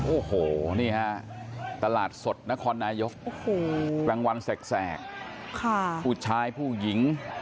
โอ้โหนี่ฮะตลาดสดนครนายกกลางวันแสกผู้ชายผู้หญิง